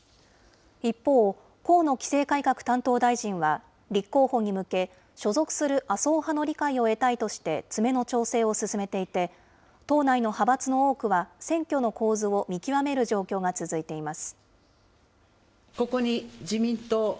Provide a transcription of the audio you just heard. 一方、河野規制改革担当大臣は立候補に向け、所属する麻生派の理解を得たいとして、詰めの調整を進めていて、党内の派閥の多くは選挙の構図を見極める状況が続いています。